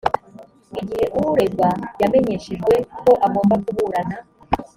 igihe uregwa yamenyeshejwe ko agomba kuburana